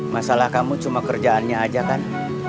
masalah kamu cuma kerjaannya aja kan